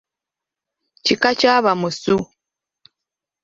Kika kya ba Musu.